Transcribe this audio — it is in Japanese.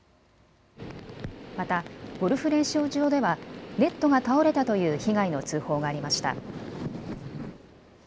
またゴルフ練習場ではネットが倒れたという被害の通報がありました。